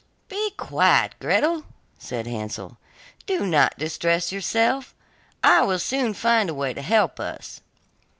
'Be quiet, Gretel,' said Hansel, 'do not distress yourself, I will soon find a way to help us.